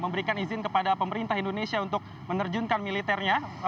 memberikan izin kepada pemerintah indonesia untuk menerjunkan militernya